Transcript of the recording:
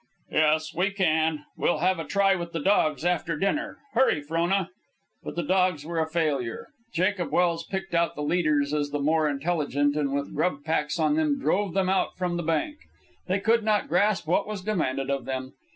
"Yes, we can. We'll have a try with the dogs after dinner. Hurry, Frona." But the dogs were a failure. Jacob Welse picked out the leaders as the more intelligent, and with grub packs on them drove them out from the bank. They could not grasp what was demanded of them.